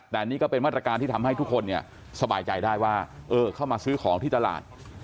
แต่นี่ก็เป็นมาตรการที่ทำให้ทุกคนเนี่ยสบายใจได้ว่าเออเข้ามาซื้อของที่ตลาด